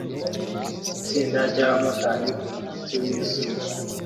Itsinda ryabamotari kumunsi wizuba